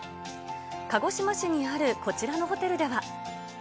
鹿児島市にあるこちらのホテルでは。